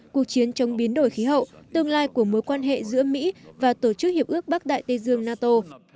cuộc chiến chống biến đổi khí hậu tương lai của mối quan hệ giữa mỹ và tổ chức hiệp ước bắc đại tây dương nato